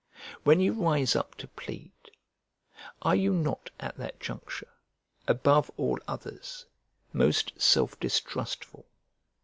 When you rise up to plead, are you not at that juncture, above all others, most self distrustful?